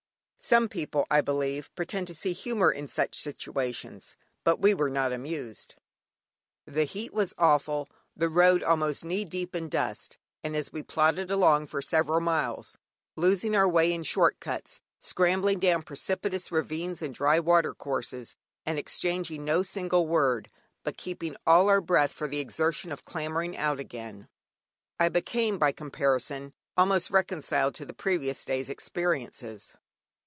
Some people, I believe, pretend to see humour in such situations, but we were not amused. The heat was awful, the road almost knee deep in dust, and as we plodded along for several miles, losing our way in short cuts, scrambling down precipitous ravines and dry water courses, and exchanging no single word, but keeping all our breath for the exertion of clambering out again, I became, by comparison, almost reconciled to the previous day's experiences.